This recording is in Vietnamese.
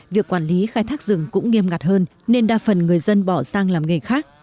việc quản lý khai thác rừng cũng nghiêm ngặt hơn nên đa phần người dân bỏ sang làm nghề khác